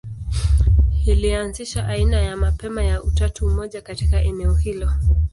Ilianzisha aina ya mapema ya utatu mmoja katika eneo hilo.